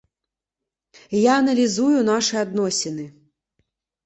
Я аналізую нашы адносіны.